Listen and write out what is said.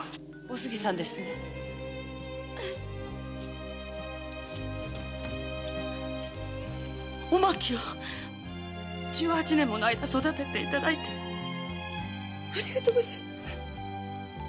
お杉さんですね．お槙を十八年もの間育てていただいてありがとうざいまし。